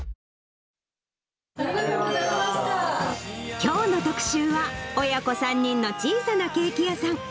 きょうの特集は、親子３人の小さなケーキ屋さん。